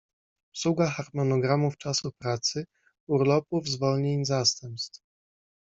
Obsługa harmonogramów czasu pracy, urlopów, zwolnień, zastępstw